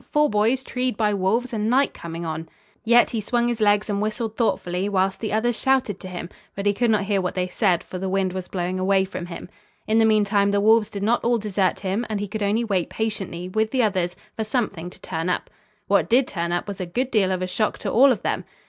"Four boys treed by wolves and night coming on." Yet he swung his legs and whistled thoughtfully, while the others shouted to him, but he could not hear what they said, for the wind was blowing away from him. In the meantime the wolves did not all desert him and he could only wait patiently, with the others, for something to turn up. What did turn up was a good deal of a shock to all of them.